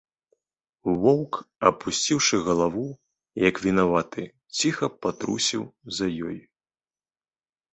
Воўк, апусціўшы галаву, як вінаваты, ціха патрусіў за ёю.